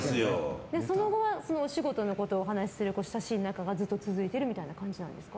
その後はお仕事のことをお話しするような親しい仲がずっと続いてる感じなんですか。